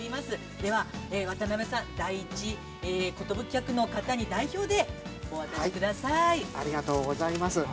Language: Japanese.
では、渡辺さん、第一寿客の方に代表でお渡しください。